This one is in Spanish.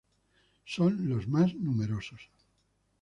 Son los más numerosos.